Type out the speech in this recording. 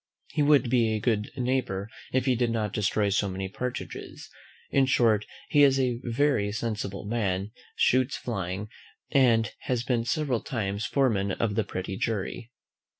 He would be a good neighbour if he did not destroy so many partridges. In short, he is a very sensible man; shoots flying; and has been several times foreman of the petty jury.